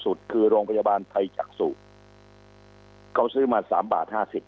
คือโรงพยาบาลไทยจักษุเขาซื้อมาสามบาทห้าสิบ